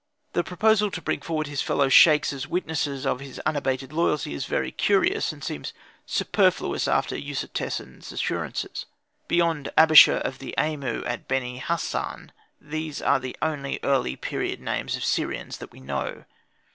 The proposal to bring forward his fellow sheikhs as witnesses of his unabated loyalty is very curious, and seems superfluous after Usertesen's assurances. Beyond Abisha of the Amu at Beni Hasan, these are the only early personal names of Syrians that we know.